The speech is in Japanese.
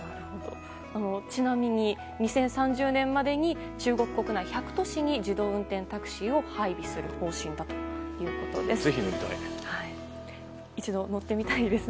ちなみに２０３０年までに中国国内１００都市に自動運転タクシーを配備する方針だということです。